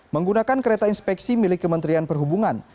menggunakan kereta inspeksi milik kementerian perhubungan